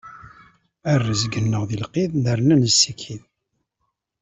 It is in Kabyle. A rrezg-nneɣ di lqid, nerna nessikid.